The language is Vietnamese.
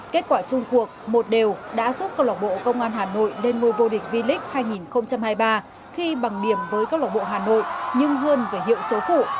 kết quả chung cuộc một đều đã giúp công loại bộ công an hà nội lên ngôi vô địch v league hai nghìn hai mươi ba khi bằng điểm với công loại bộ hà nội nhưng hơn về hiệu số phủ